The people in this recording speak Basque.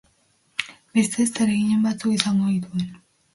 Beste zereginen batzuk izango hituen.